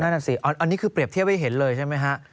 นั่นน่ะสิอันนี้คือเปรียบเทียบให้เห็นเลยใช่ไหมฮะ